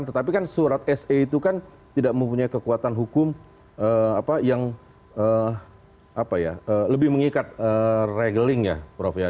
tetapi kan surat se itu kan tidak mempunyai kekuatan hukum yang lebih mengikat regeling ya prof ya